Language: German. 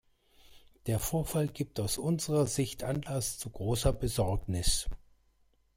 Der Vorfall gibt aus unserer Sicht Anlass zu großer Besorgnis.